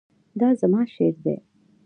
دا زما شعر دی